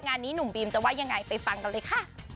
งานนี้หนุ่มบีมจะว่ายังไงไปฟังกันเลยค่ะ